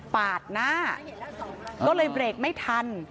ปาดหน้าก็เลยเบรกไม่ทัน